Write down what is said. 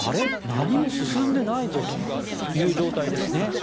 何も進んでないぞという状態ですね。